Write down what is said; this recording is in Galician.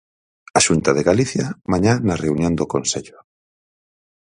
A Xunta de Galicia, mañá na reunión do Consello.